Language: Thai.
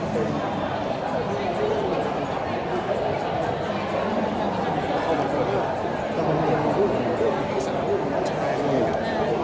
สิ่งที่เราทำได้ตามนี้เขาแบ่งเพื่อผมของก็คือ